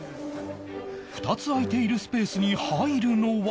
２つ空いているスペースに入るのは